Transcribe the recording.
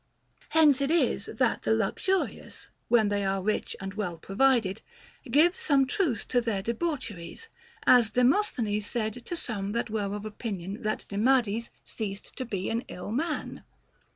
Hence it is that the luxurious, when they are rich and well provided, give some truce to their debaucheries ; as Demosthenes said to some that were of opinion that Demades ceased to be an ill man.